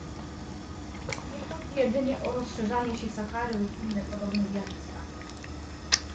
Nie chodzi jedynie o rozszerzanie się Sahary lub inne podobne zjawiska